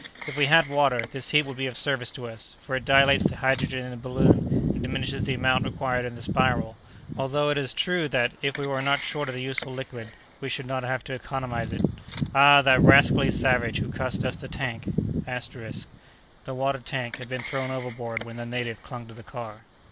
"If we had water, this heat would be of service to us, for it dilates the hydrogen in the balloon, and diminishes the amount required in the spiral, although it is true that, if we were not short of the useful liquid, we should not have to economize it. Ah! that rascally savage who cost us the tank!" The water tank had been thrown overboard when the native clung to the car.